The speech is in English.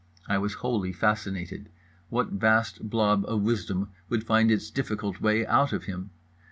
I was wholly fascinated. What vast blob of wisdom would find its difficult way out of him?